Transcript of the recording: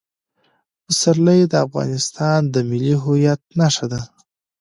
پسرلی د افغانستان د ملي هویت نښه ده.